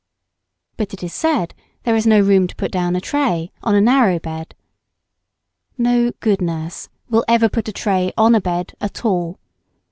But it is said there is no room to put a tray down on a narrow bed. No good nurse will ever put a tray on a bed at all.